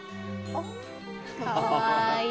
あかわいい。